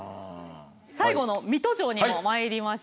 最後の水戸城にもまいりましょう。